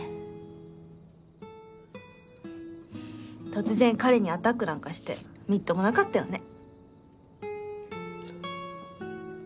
突然彼にアタックなんかしてみっともなかったよね。